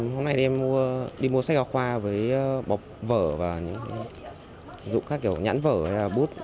hôm nay em đi mua sách giáo khoa với bọc vở và những dụng các kiểu nhãn vở hay là bút